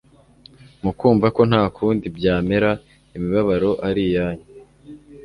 mukumva ko nta kundi byamera iyo mibabaro ari iyanyu